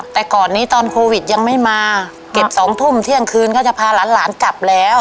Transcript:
แต่ก่อนนี้ตอนโควิดยังไม่มาเก็บ๒ทุ่มเที่ยงคืนก็จะพาหลานกลับแล้ว